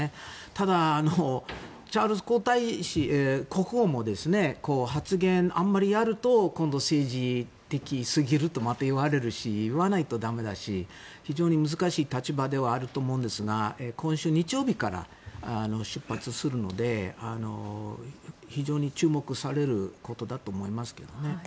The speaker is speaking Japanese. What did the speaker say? ただ、チャールズ国王も発言、あまりあると今度、政治的すぎるとまた言われるし言わないと駄目だし非常に難しい立場ではあると思うんですが今週日曜日から出発するので非常に注目されることだと思いますけどね。